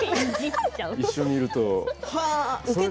一緒にいると。